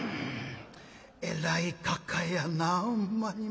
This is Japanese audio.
「えらいかかやなほんまにもう。